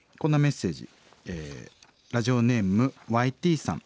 ラジオネームＹＴさん。